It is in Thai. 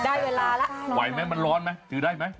ได้เวลาระเอาใหม่มันร้อนไหมถือได้ไหม